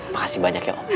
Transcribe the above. makasih banyak ya om